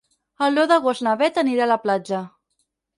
El deu d'agost na Bet anirà a la platja.